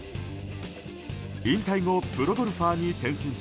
引退後、プロゴルファーに転身し